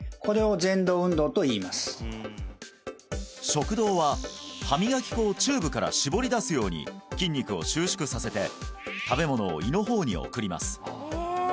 食道は歯磨き粉をチューブから絞り出すように筋肉を収縮させて食べ物を胃の方に送ります